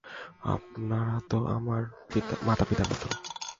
আপনারা তো আমার মাতা-পিতার মতো।